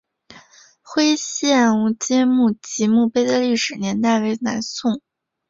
徽县吴玠墓及墓碑的历史年代为南宋。